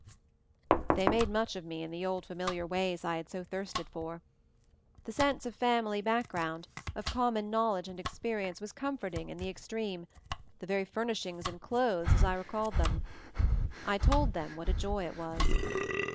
They made much of me in the old familiar ways I had so thirsted for. The sense of family background, of common knowledge 280 MOVING THE MOUNTAIN and experience was comforting in the ex treme, the very furnishings and clothes as I recalled them. I told them what a joy it was.